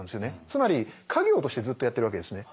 つまり家業としてずっとやってるわけですね。